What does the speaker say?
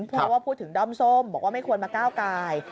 เพราะว่าพูดถึงด้อมส้มบอกว่าไม่ควรมาก้าวกาย